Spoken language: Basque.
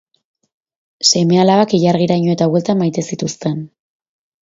Seme-alabak ilargiraino eta bueltan maite zituzten.